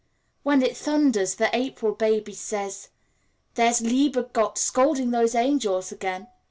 When it thunders, the April baby says, "There's lieber Gott scolding those angels again."